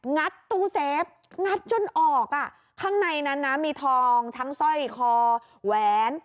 ัดตู้เซฟงัดจนออกอ่ะข้างในนั้นนะมีทองทั้งสร้อยคอแหวน